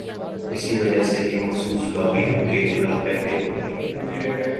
اس وجہ سے یہ مخصوص لابی ان کے خلاف ایکٹو ہو گئی۔